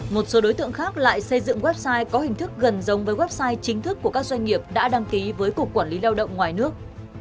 một số đối tượng khác lại xây dựng website có hình thức gần giống với website chính thức của các doanh nghiệp đã đăng ký với cục quản lý lao động ngoài nước